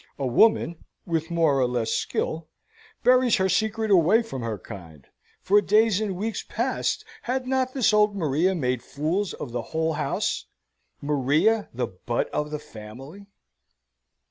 A woman (with more or less skill) buries her secret away from her kind. For days and weeks past, had not this old Maria made fools of the whole house, Maria, the butt of the family?